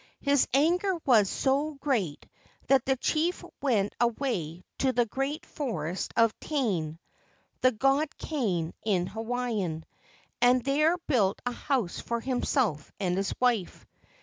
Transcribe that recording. His anger was so great that the chief went away to the great forest of Tane (the god Kane in Hawaiian), and there built a house for himself and his wife.